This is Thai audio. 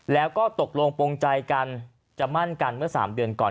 แล้วก็ตกลงปงใจกันจะมั่นกันเมื่อ๓เดือนก่อน